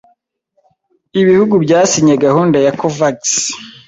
ibihugu byasinye gahunda ya Covax,